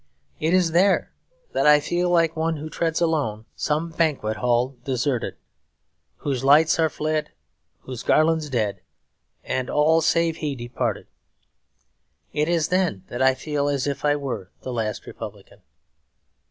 It is there that I feel like one who treads alone some banquet hall deserted, whose lights are fled, whose garlands dead, and all save he departed. It is then that I feel as if I were the last Republican.